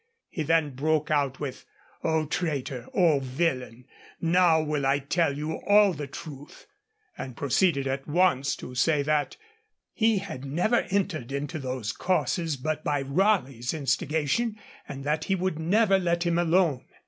He then broke out with, 'O traitor! O villain! now will I tell you all the truth!' and proceeded at once to say that 'he had never entered into those courses but by Raleigh's instigation, and that he would never let him alone!'